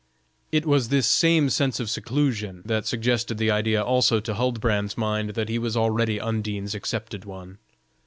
It was this same sense of seclusion that suggested the idea also to Huldbrand's mind that he was already Undine's accepted one.